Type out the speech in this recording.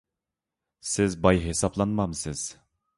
سىز باي ھېسابلانمامسىز؟